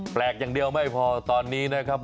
แปลกอย่างเดียวไม่พอตอนนี้นะครับ